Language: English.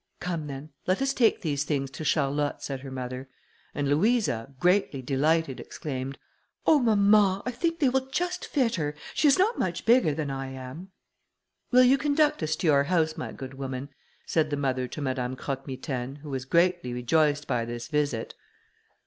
"Come, then, let us take these things to Charlotte," said her mother; and Louisa, greatly delighted, exclaimed, "Oh, mamma, I think they will just fit her; she is not much bigger than I am." "Will you conduct us to your house, my good woman," said the mother to Madame Croque Mitaine, who was greatly rejoiced by this visit.